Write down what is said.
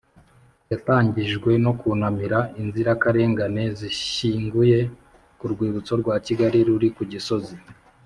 yatangijwe no kunamira inzirakarengane zishyinguye ku rwibutso rwa Kigali ruri ku Gisozi